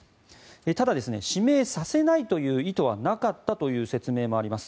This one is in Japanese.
ただ、指名させないという意図はなかったという説明もあります。